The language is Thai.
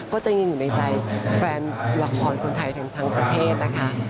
ก็ยังอยู่ในใจแฟนละครคนไทยทั้งประเทศนะคะ